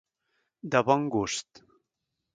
De bon gust.